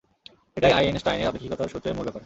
এটাই আইনস্টাইনের আপেক্ষিকতার সূত্রের মূল ব্যাপার।